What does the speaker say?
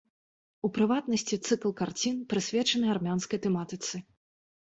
У прыватнасці цыкл карцін, прысвечаны армянскай тэматыцы.